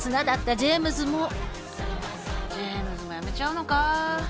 ジェームズも辞めちゃうのか。